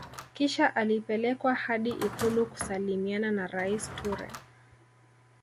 Kisha alipelekwa hadi ikulu kusalimiana na Rais Toure